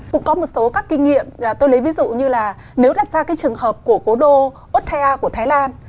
cũng có một số các kinh nghiệm tôi lấy ví dụ như là nếu đặt ra cái trường hợp của cố đô otta của thái lan